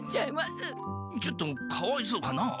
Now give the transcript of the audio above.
ちょっとかわいそうかな？